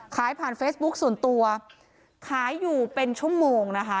ขายผ่านเฟซบุ๊คส่วนตัวขายอยู่เป็นชั่วโมงนะคะ